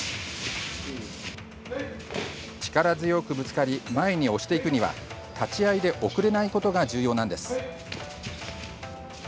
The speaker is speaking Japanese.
力強くぶつかり前に押していくには立ち合いで遅れないことが重要なんです。